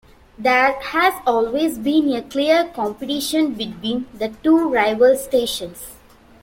There has always been a clear competition between the two rival stations.